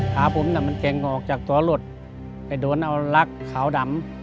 ขาผมน่ะมันเก่งออกจากตัวรถไปโดนเอาลักษขาวดำ